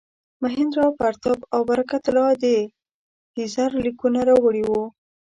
مهیندراپراتاپ او برکت الله د کیزر لیکونه راوړي وو.